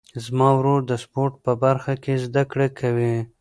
زما ورور د سپورټ په برخه کې زده کړې کوي.